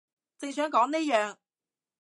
正想講呢樣